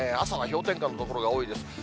朝は氷点下の所が多いです。